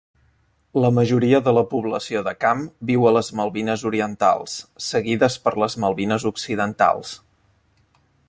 La majoria de la població de Camp viu a les Malvines Orientals, seguides per les Malvines Occidentals.